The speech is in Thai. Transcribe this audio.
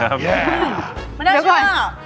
นุ่มครับนุ่มครับนุ่มครับนุ่มครับนุ่มครับนุ่มครับนุ่มครับ